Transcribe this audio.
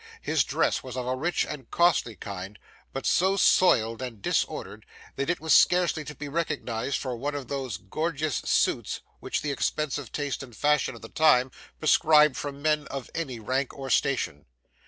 His dress was of a rich and costly kind, but so soiled and disordered that it was scarcely to be recognised for one of those gorgeous suits which the expensive taste and fashion of the time prescribed for men of any rank or station.